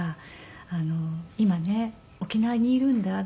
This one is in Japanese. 「今ね沖縄にいるんだ」って。